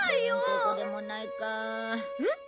ここでもないか。えっ！？